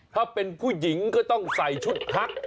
ถ้าเป็นผู้หญิงก็ต้องใส่ชุดพัก